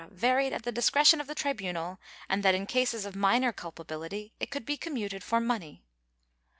varied at the discretion of the tribunal and that, in cases of minor culpability, it could be commuted for money.